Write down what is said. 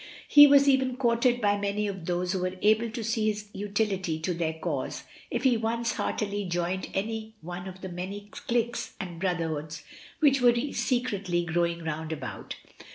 He was even courted by many of those who were able to see his utility to their cause if he once heartily joined any one of the many cliques and brotherhoods which were secretly growing round about.